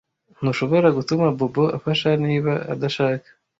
Ntushobora gutuma Bobo afasha niba adashaka.